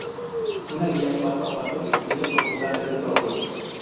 Una guía paso a paso explica cómo usar este software.